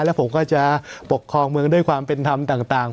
แล้วผมก็จะปกครองเมืองด้วยความเป็นธรรมต่าง